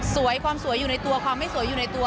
ความสวยอยู่ในตัวความไม่สวยอยู่ในตัว